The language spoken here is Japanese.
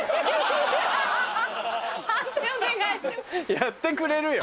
やってくれるよ。